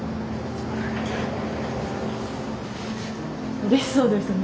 うれしそうですね。